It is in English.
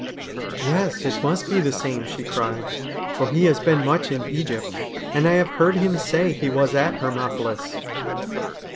' Yes, it must be the same,' she cried ;' for he has been much in Egypt, and I have heard him say he was at Her mopolis.'